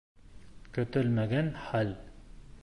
КӨТӨЛМӘГӘН ХӘЛ